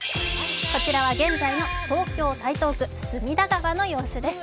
こちらは現在の東京・台東区、隅田川の様子です。